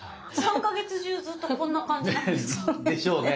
３か月中ずっとこんな感じなんですか？